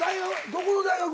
どこの大学？